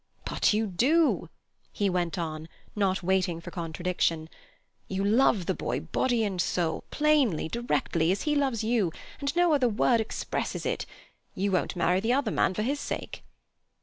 "But you do," he went on, not waiting for contradiction. "You love the boy body and soul, plainly, directly, as he loves you, and no other word expresses it. You won't marry the other man for his sake."